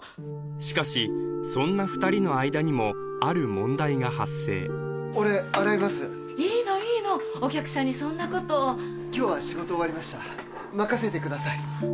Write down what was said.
しかしそんな２人の間にもある問題が発生俺洗いますいいのいいのお客さんにそんなこと今日は仕事終わりました任せてください